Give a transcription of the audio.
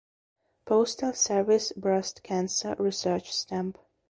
Postal Service Breast Cancer Research Stamp.